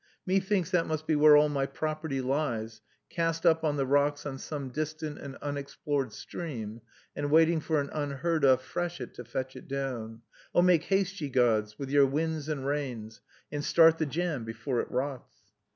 Methinks that must be where all my property lies, cast up on the rocks on some distant and unexplored stream, and waiting for an unheard of freshet to fetch it down. O make haste, ye gods, with your winds and rains, and start the jam before it rots!